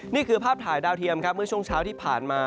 นี่คือภาพถ่ายดาวเทียมครับเมื่อช่วงเช้าที่ผ่านมา